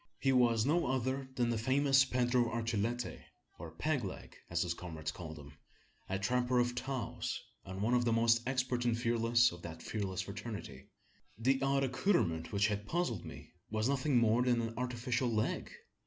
He was no other than the famous Pedro Archilete or "Peg leg," as his comrades called him a trapper of Taos, and one of the most expert and fearless of that fearless fraternity. The odd accoutrement which had puzzled me was nothing more than an artificial leg!